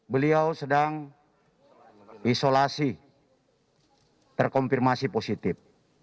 beliau sedang isolasi terkonfirmasi positif